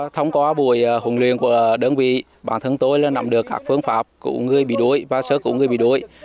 thông qua buổi huấn luyện của đơn vị bản thân tôi nằm được các phương pháp của người bị đuối và sơ của người bị đuối